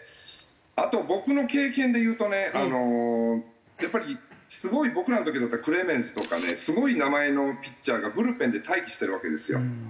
あと僕の経験で言うとねやっぱりすごい僕らの時だったらクレメンスとかねすごい名前のピッチャーがブルペンで待機してるわけですよ。